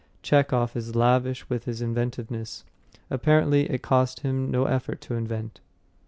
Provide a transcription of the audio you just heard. Chekhov is lavish with his inventiveness. Apparently, it cost him no effort to invent.